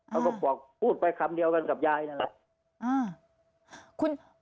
เขาก็บอกพูดไปคำเดียวกันกับยายนั่นแหละ